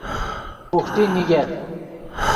بوحٹی نیگت